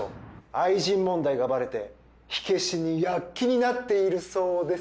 愛人問題がバレて火消しに躍起になっているそうです。